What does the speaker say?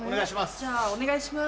じゃあお願いします。